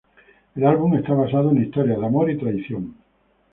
El álbum está basado en historias de amor y traición.